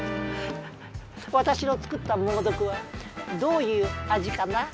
私の作った猛毒はどういう味かな？